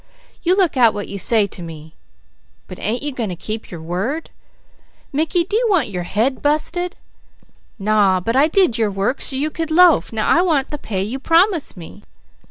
_" "You look out what you say to me." "But ain't you going to keep your word?" "Mickey, do you want your head busted?" "_Naw! But I did your work so you could loaf; now I want the pay you promised me.